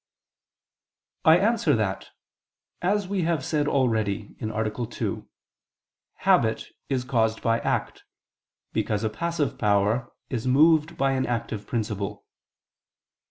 I answer that, As we have said already (A. 2), habit is caused by act, because a passive power is moved by an active principle.